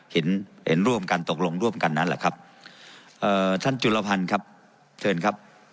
เห็นเห็นร่วมกันตกลงร่วมกันนั้นแหละครับเอ่อท่านจุลพันธ์ครับเชิญครับ